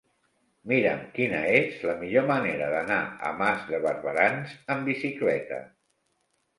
Mira'm quina és la millor manera d'anar a Mas de Barberans amb bicicleta.